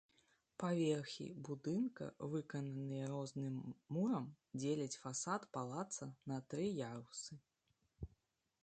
Паверхі будынка, выкананыя розным мурам, дзеляць фасад палацца на тры ярусы.